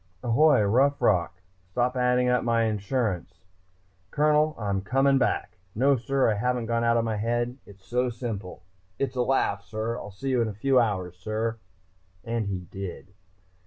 "Ahoy, Rough Rock! Stop adding up my insurance, Colonel! I'm coming back.... No, sir, I haven't gone out of my head, sir. It's so simple it's a laugh, sir.... See you in a few hours, sir!" And he did.